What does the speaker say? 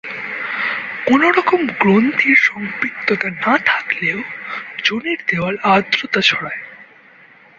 কোনোরকম গ্রন্থির সম্পৃক্ততা না থাকলেও যোনির দেয়াল আর্দ্রতা ছড়ায়।